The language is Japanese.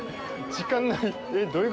時間ない。